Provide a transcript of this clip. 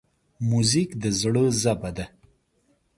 موزیک د زړه ژبه ده.